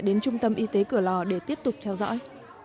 đến trung tâm y tế cửa lò để tiếp tục theo dõi